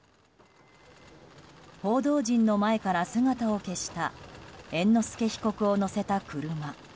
報道陣の前から姿を消した猿之助被告を乗せた車。